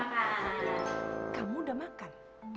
kamu udah makan